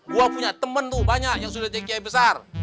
gue punya temen tuh banyak yang sudah jki besar